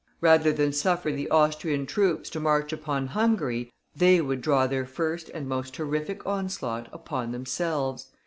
Rather than suffer the Austrian troops to march upon Hungary, they would draw their first and most terrific onslaught upon themselves.